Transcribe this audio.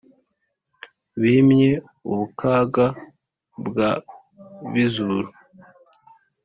bimye ubukaga bwa bizuru